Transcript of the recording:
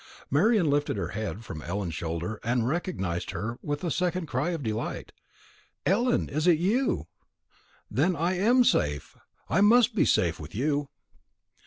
Marian lifted her head from Ellen's shoulder, and recognised her with a second cry of delight. "Ellen, is it you? Then I am safe; I must be safe with you."